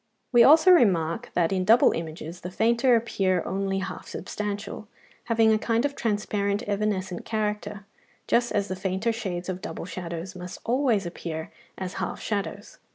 We also remarked (224) that in double images the fainter appear only half substantial, having a kind of transparent, evanescent character, just as the fainter shades of double shadows must always appear as half shadows.